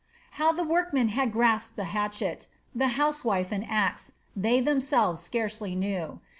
How the workman had grasped a hatchet, the housewife an axe, they themselves scarcely knew.